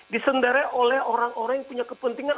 disendarai oleh orang orang yang punya kepentingan